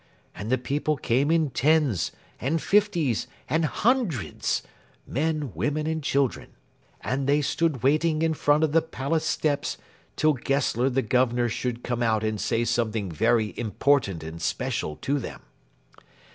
And the people came in tens, and fifties, and hundreds, men, women, and children; and they stood waiting in front of the Palace steps till Gessler the Governor should come out and say something very important and special to them.